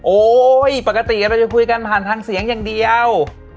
ปกติเราจะคุยกันผ่านทางเสียงอย่างเดียว